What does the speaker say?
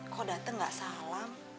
kok dateng gak salam